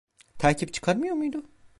Takip çıkarmıyor muydu?